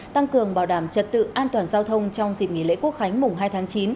tăng cường bảo đảm trật tự an toàn giao thông trong dịp nghỉ lễ quốc khánh mùng hai tháng chín